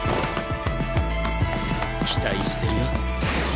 期待してるよ